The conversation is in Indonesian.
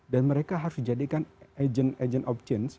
dan mereka harus dijadikan agent agent of change